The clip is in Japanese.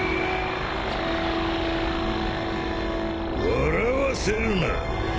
笑わせるな。